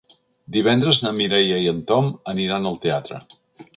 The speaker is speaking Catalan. Divendres na Mireia i en Tom aniran al teatre.